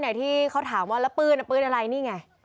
ไหนที่เขาถามว่าแล้วปืนปืนอะไรนี่ไง